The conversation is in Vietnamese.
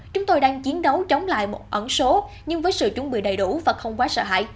chúng tôi đang chiến đấu chống lại một ẩn số nhưng với sự chuẩn bị đầy đủ và không quá sợ hãi